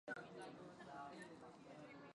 A quina hora passa el primer autobús per Blanes demà?